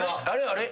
あれ？